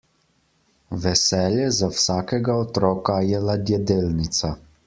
Veselje za vsakega otroka je ladjedelnica.